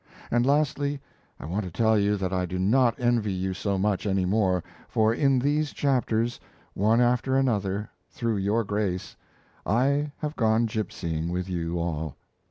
And, lastly, I want to tell you that I do not envy you so much, any more, for in these chapters, one after another, through your grace, I have gone gipsying with you all.